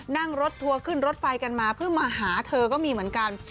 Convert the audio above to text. นั่งรถทัวร์ขึ้นรถไฟกันมาเพื่อมาหาเธอก็มีเหมือนกัน